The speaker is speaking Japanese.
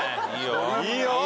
いいよ。